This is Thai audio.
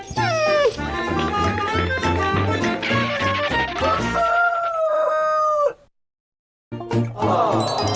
สวัสดีครับ